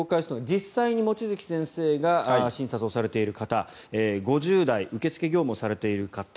実際に望月先生が診察されている方５０代、受付業務をされている方